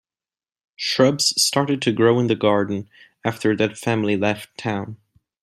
Shrubs started to grow in the garden after that family left town.